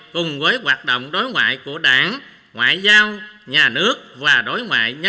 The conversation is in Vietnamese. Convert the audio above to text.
cùng với hoạt động đối ngoại của đảng ngoại giao nhà nước và đối ngoại quốc hội